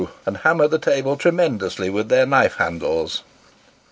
" and hammer the table tremendously with their knife handles.